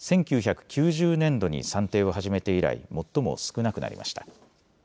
１９９０年度に算定を始めて以来、最も少なくなりました。